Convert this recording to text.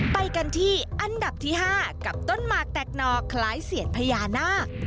ไปกันที่อันดับที่๕กับต้นหมากแตกหนอคล้ายเสียนพญานาค